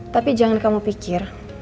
tapi jangan kamu pikir